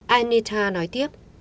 anita nói tiếp